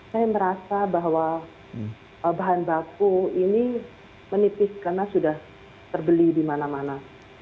saya merasa bahwa bahan baku ini menipis karena sudah terbeli di mana mana